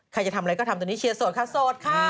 ใครจะทำอะไรก็ทำตอนนี้เชียร์โสดค่ะโสดค่ะ